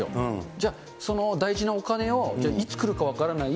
じゃあ、その大事なお金を、じゃあいつくるか分からない